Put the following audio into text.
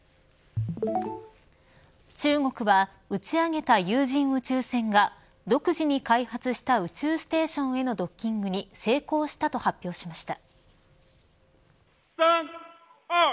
中国は打ち上げた有人宇宙船が独自に開発した宇宙ステーションへのドッキングに成功したと発表しました。